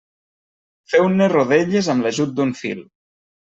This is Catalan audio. Feu-ne rodelles amb l'ajut d'un fil.